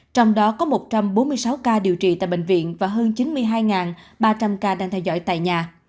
trong đó có một trăm bốn mươi sáu ca điều trị tại bệnh viện và hơn chín mươi hai ba trăm linh ca đang theo dõi tại nhà